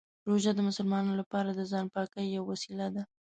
روژه د مسلمانانو لپاره د ځان پاکۍ یوه وسیله ده.